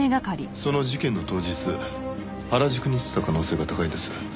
その事件の当日原宿に行ってた可能性が高いです。